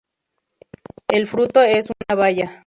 El fruto es una baya.